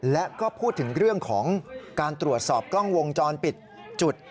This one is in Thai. และก็พูดถึงเรื่องของการตรวจสอบกล้องวงจรปิดจุด